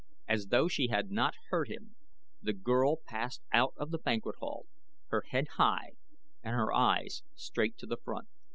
As though she had not heard him the girl passed out of the banquet hall, her head high and her eyes straight to the front.